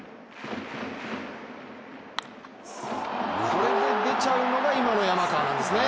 これで出ちゃうのが今の山川なんですね。